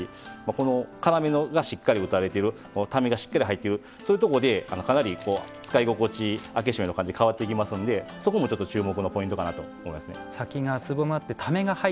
この要が、しっかり打たれてる矯めがしっかり入ってるそういうところでかなり使い心地開け閉めの感じ変わってきますのでそこも注目のポイントかと思いますね。